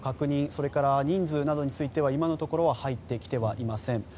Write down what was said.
それから人数などについては今のところは入ってきてはいません。